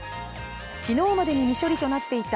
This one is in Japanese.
昨日までに未処理となっていた